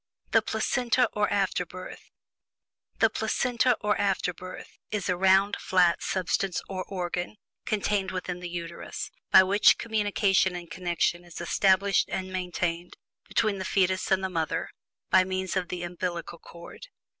THE PLACENTA OR AFTERBIRTH. The Placenta, or afterbirth, is a round, flat substance or organ, contained within the Uterus, by which communication and connection is established and maintained between the fetus and the mother, by means of the umbillical cord.